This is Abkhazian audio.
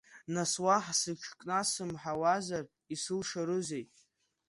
Нас уаҳа сыҽкнасымҳауазар исылшарызеи.